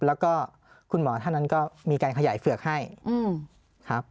แล้วก็คุณหมอท่านนั้นก็มีการขยายเฝือกให้ครับ